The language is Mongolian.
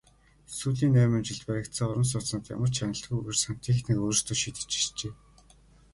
Сүүлийн найман жилд баригдсан орон сууцнууд ямар ч хяналтгүйгээр сантехникээ өөрсдөө шийдэж иржээ.